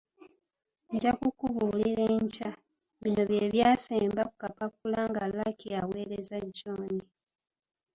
“Nja kukubuulira enkya”. Bino bye by’asemba ku kapapula nga Lucky akaweereza John.